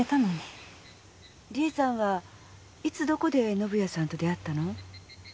理恵さんはいつどこで宣也さんと出会ったの？